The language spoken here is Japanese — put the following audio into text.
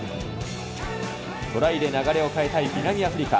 トライで流れを変えたい南アフリカ。